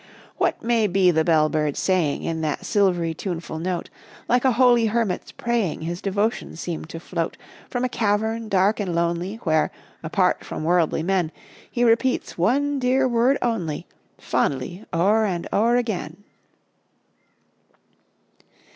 " What may be the bell bird saying, In that silvery, tuneful note ? Like a holy hermit's praying His devotions seem to float From a cavern dark and lonely, Where, apart from worldly men, He repeats one dear word only, Fondly o'er and o'er again."